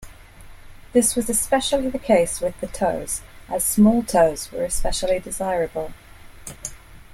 This was especially the case with the toes, as small toes were especially desirable.